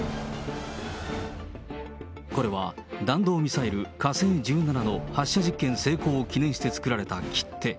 これは弾道ミサイル、火星１７の発射実験成功を記念して作られた切手。